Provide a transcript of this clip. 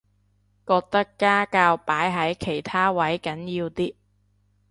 覺得家教擺喺其他位緊要啲